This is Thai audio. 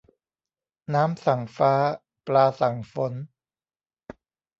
น้ำสั่งฟ้า ปลาสั่งฝน